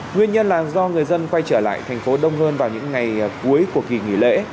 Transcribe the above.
nguyên nhân là do người dân quay trở lại thành phố đông hơn vào những ngày cuối của kỳ nghỉ lễ